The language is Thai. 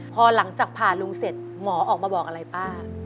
พอหลังจากผ่าลุงเสร็จหมอออกมาบอกอะไรป้า